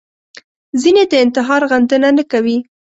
ځینې د انتحار غندنه نه کوي